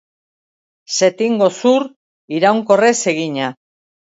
Setingo zur iraunkorrez egina.